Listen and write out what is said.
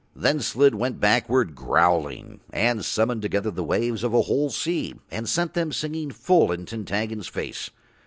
Then Slid went backward growling and summoned together the waves of a whole sea and sent them singing full in Tintaggon's face.